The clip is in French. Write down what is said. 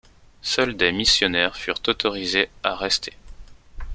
Seuls des missionnaires furent autorisés à rester.